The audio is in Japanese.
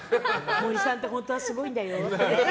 森さん、本当はすごいんだよって。